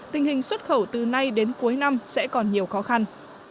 tình hình xuất khẩu từ nay đến cuối năm sẽ còn nhiều khó khăn